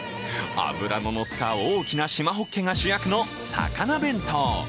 脂ののった大きなシマホッケが主役の魚弁当。